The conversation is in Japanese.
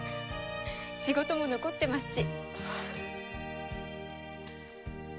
仕事も残ってますし。